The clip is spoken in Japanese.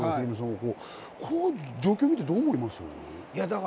この状況を見てどう思いますか？